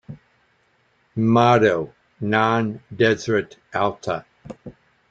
Motto: "Non Deserit Alta".